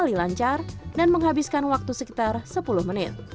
hal ini lancar dan menghabiskan waktu sekitar sepuluh menit